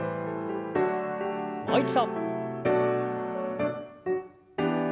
もう一度。